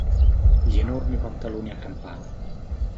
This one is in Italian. Gli enormi pantaloni a campana.